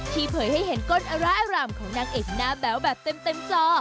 ที่เผยให้เห็นก้นอร้ายอารามของนางเอกหน้าแบบเต็มจอ